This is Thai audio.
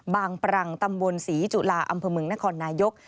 ปรังตำบลศรีจุฬาอำเภอเมืองนครนายก